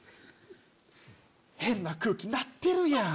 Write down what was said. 変な空気になってるやん！